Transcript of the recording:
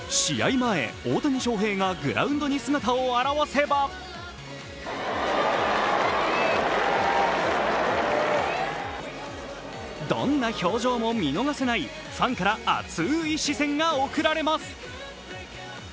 前、大谷翔平がグラウンドに姿を現せばどんな表情も見逃せないファンから熱い視線が送られます。